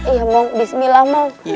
iya bang bismillah bang